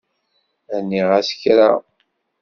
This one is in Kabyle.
Rniɣ-as kra.